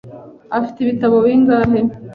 Afite ibitabo bingahe?